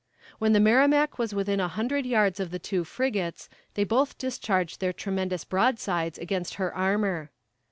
When the Merrimac was within a hundred yards of the two frigates, they both discharged their tremendous broadsides against her armor.